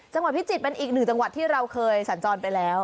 พิจิตรเป็นอีกหนึ่งจังหวัดที่เราเคยสัญจรไปแล้ว